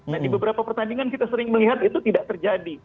nah di beberapa pertandingan kita sering melihat itu tidak terjadi